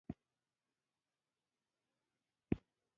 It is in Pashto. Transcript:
خلک هلته د تفریح لپاره ځي.